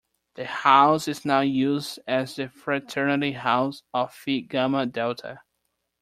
The house is now used as the fraternity house of Phi Gamma Delta.